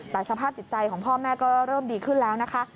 แต่สภาพจิตใจของพ่อแม่ก็เริ่มดีขึ้นแล้วนะคะ